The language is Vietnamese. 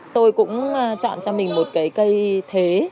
tôi cũng chọn cho mình một cây thế